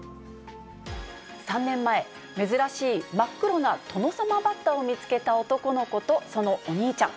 ３年前、珍しい真っ黒なトノサマバッタを見つけた男の子とそのお兄ちゃん。